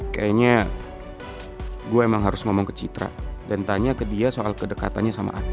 kayaknya gue emang harus ngomong ke citra dan tanya ke dia soal kedekatannya sama aku